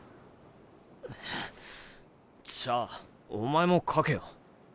じゃあお前も描けよ。